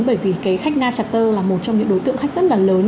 bởi vì cái khách nga chặt tơ là một trong những đối tượng khách rất là lớn